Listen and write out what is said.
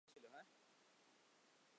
এটা সত্যিই ভাল ছিল - হ্যা?